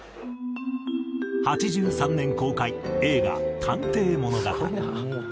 ８３年公開映画『探偵物語』。